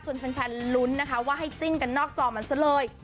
แฟนลุ้นนะคะว่าให้จิ้นกันนอกจอมันซะเลย